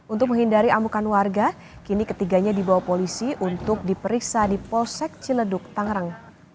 untuk menghindari amukan warga kini ketiganya dibawa polisi untuk diperiksa di posek ciledug tangerang